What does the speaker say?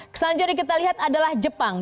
selanjutnya yang kita lihat adalah jepang